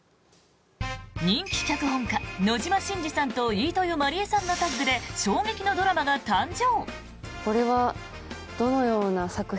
人気脚本家、野島伸司さんと飯豊まりえさんのタッグで衝撃のドラマが誕生！